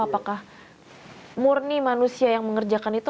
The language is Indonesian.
apakah murni manusia yang mengerjakan itu